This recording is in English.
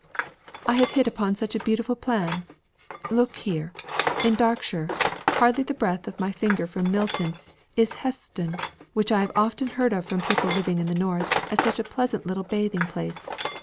"I have hit upon such a beautiful plan. Look here in Darkshire, hardly the breadth of my finger from Milton, is Heston, which I have often heard of from people living in the north as such a pleasant little bathing place.